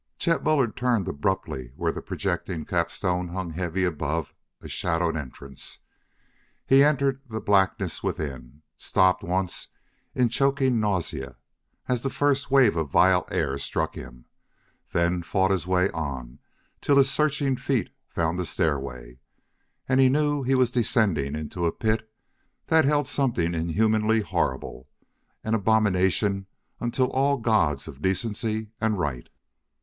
Chet Bullard turned abruptly where the projecting capstone hung heavy above a shadowed entrance. He entered the blackness within, stopped once in choking nausea as the first wave of vile air struck him, then fought his way on till his searching feet found the stairway, and he knew he was descending into a pit that held something inhumanly horrible an abomination unto all gods of decency and right.